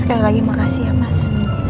sekali lagi makasih ya mas